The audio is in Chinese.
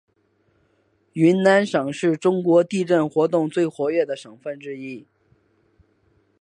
云南省是中国地震活动最活跃的省份之一。